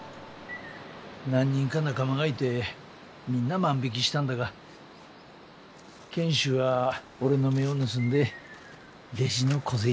何人か仲間がいてみんな万引きしたんだが賢秀は俺の目を盗んでレジの小銭を。